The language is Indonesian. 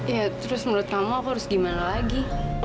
ya terus menurut kamu aku harus gimana lagi